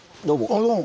あどうも。